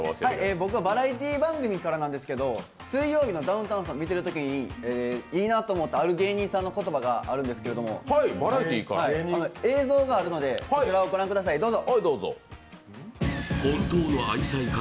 僕はバラエティー番組からなんですけど「水曜日のダウンタウン」さん見てるときにいいなと思ったある芸人さんの言葉があるんですけど、映像があるのでそちらを御覧ください、どうぞ。